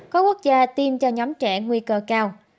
có quốc gia tiêm cho nhóm trẻ nguy cơ cao